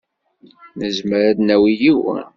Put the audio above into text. Nezmer ad d-nawi yiwen.